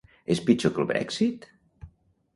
És pitjor que el Brèxit?